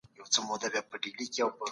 روښانه فکر روغتیا نه خرابوي.